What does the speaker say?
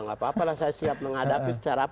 gak apa apalah saya siap menghadapi